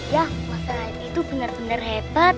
ya mas said itu benar benar hebat